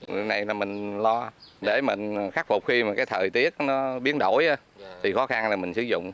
điều này là mình lo để mình khắc phục khi mà cái thời tiết nó biến đổi thì khó khăn là mình sử dụng